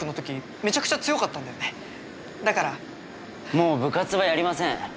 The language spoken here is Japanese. もう部活はやりません。